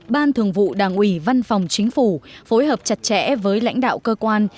ban thường vụ đảng ủy văn phòng chính phủ phối hợp chặt chẽ với lãnh đạo cơ quan